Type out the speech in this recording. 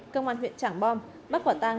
công an huyện trảng bom bắt quả tang